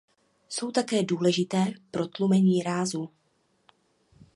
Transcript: Jsou také důležité pro tlumení rázů.